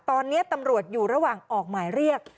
ตอนนี้ตำรวจอยู่ระหว่างออกหมายเรียก